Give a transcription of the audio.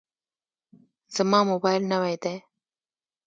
زما موبایل نوی دی.